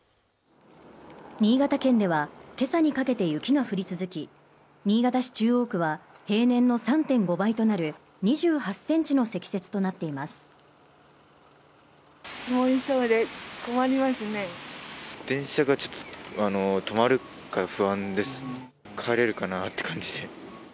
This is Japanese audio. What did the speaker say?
新潟県ではけさにかけて雪が降り続き新潟市中央区は平年の３．５倍となる２８ｃｍの積雪となっています